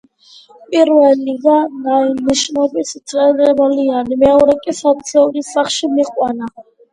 პირველია ნიშნობის ცერემონიალი, მეორე კი საცოლის სახლში მიყვანა.